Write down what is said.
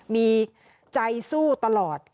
มีใจสู้ตลอด